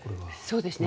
そうですね。